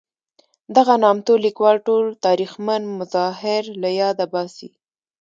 دغه نامتو لیکوال ټول تاریخمن مظاهر له یاده باسي.